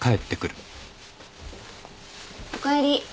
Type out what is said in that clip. おかえり。